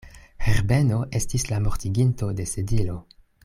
Herbeno estis la mortiginto de Sedilo.